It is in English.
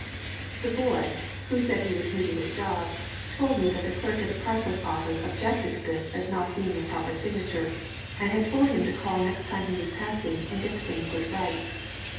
The boy, who said he was new to his job, told me that the clerk at the parcels office objected to this as not being a proper signature, and had told him to call next time he was passing and get the thing put right.